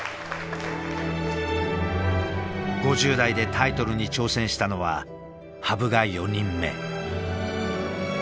５０代でタイトルに挑戦したのは羽生が４人目。